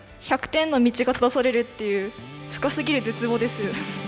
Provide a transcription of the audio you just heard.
１００点の道が閉ざされるっていう深すぎる絶望です。